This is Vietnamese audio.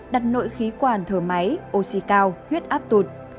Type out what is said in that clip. đặt nội khí quản thở máy oxy cao huyết áp tụt